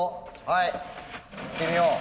はいいってみよう。